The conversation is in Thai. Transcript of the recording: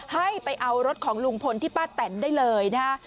ให้ไปเอารถของลุงพลที่ป้าแตนได้เลยนะฮะ